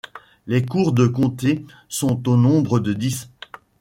Les cours de comtés sont au nombre de dix.